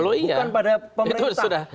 bukan pada pemerintah